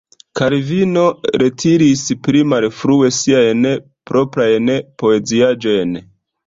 Kalvino retiris pli malfrue siajn proprajn poeziaĵojn.